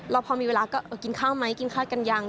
แล้วพอมีเวลาก็กินข้าวไหมกินข้าวกันยัง